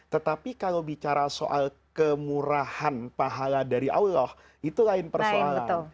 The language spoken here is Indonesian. tetapi kalau bicara soal kemurahan pahala dari allah itu lain persoalan